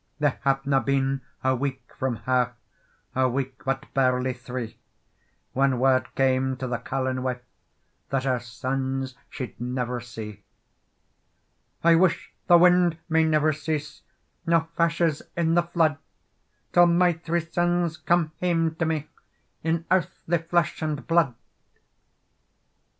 They hadna been a week from her, A week but barely three, Whan word came to the carlin wife That her sons she'd never see. "I wish the wind may never cease, Nor fashes in the flood, Till my three sons come hame to me, In earthly flesh and blood!"